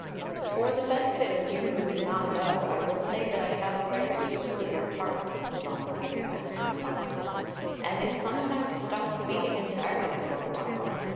"For the benefit of you who do not know, I will say that I have a very peculiar heart," he volunteered after a pause, "and it sometimes stops beating entirely for a while.